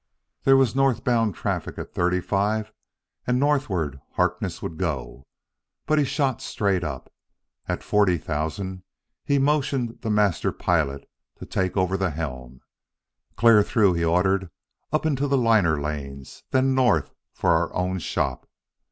There was northbound travel at thirty five, and northward Harkness would go, but he shot straight up. At forty thousand he motioned the master pilot to take over the helm. "Clear through," he ordered; "up into the liner lanes; then north for our own shop."